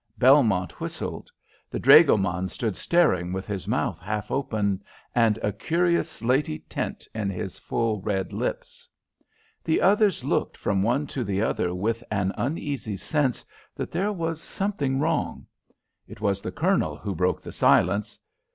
Belmont whistled. The dragoman stood staring with his mouth half open, and a curious slaty tint in his full, red lips. The others looked from one to the other with an uneasy sense that there was something wrong. It was the Colonel who broke the silence.